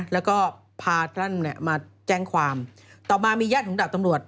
แล้วก็พาท่านมาแจ้งความต่อมามีแยกของดับตำรวจ